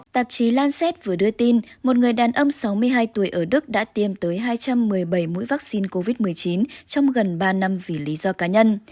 tạp chí lanset vừa đưa tin một người đàn ông sáu mươi hai tuổi ở đức đã tiêm tới hai trăm một mươi bảy mũi vaccine covid một mươi chín trong gần ba năm vì lý do cá nhân